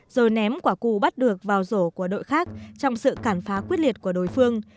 rồi ném quả cù bắt được vào rổ của đội khác trong sự cản phá quyết liệt của đối phương